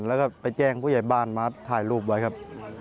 แล้วก็ไปแจ้งผู้ใหญ่บ้านมาถ่ายรูปไว้ครับ